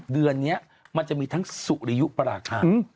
เดือนนี้มันจะมีทั้งสุริยุปราคา